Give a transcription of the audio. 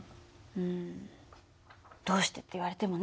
うんどうしてって言われてもね。